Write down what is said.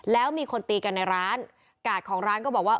แล้วมีคนตีกันในร้านกาดของร้านก็บอกว่า